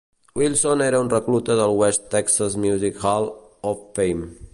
Wilson era un recluta del West Texas Music Hall Of Fame.